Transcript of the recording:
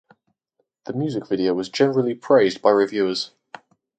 The music video was generally praised by reviewers.